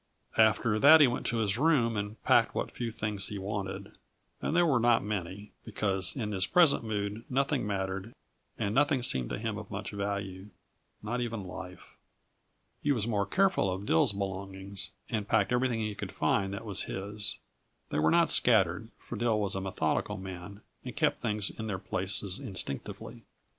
After that he went to his room and packed what few things he wanted; and they were not many, because in his present mood nothing mattered and nothing seemed to him of much value not even life. He was more careful of Dill's belongings, and packed everything he could find that was his. They were not scattered, for Dill was a methodical man and kept things in their places instinctively.